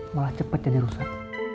malah cepet jadi rusak